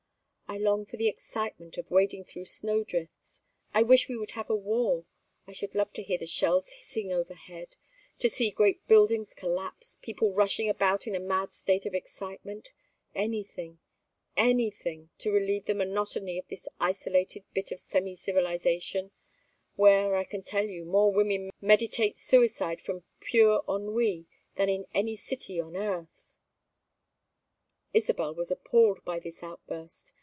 I long for the excitement of wading through snow drifts. I wish we would have a war. I should love to hear the shells hissing overhead, to see great buildings collapse, people rushing about in a mad state of excitement anything, anything, to relieve the monotony of this isolated bit of semi civilization where, I can tell you, more women meditate suicide from pure ennui than in any city on earth!" Isabel was appalled by this outburst.